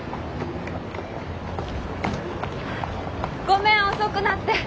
ごめん遅くなって。